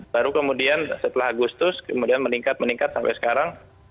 baru kemudian setelah agustus kemudian meningkat meningkat sampai sekarang